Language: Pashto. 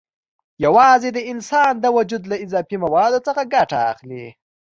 یوازې د انسان د وجود له اضافي موادو څخه ګټه اخلي.